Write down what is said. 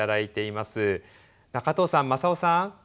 仲藤さん正雄さん。